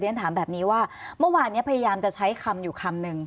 ฉันถามแบบนี้ว่าเมื่อวานนี้พยายามจะใช้คำอยู่คำนึง